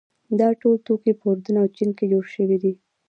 دا ټول توکي په اردن او چین کې جوړ شوي دي.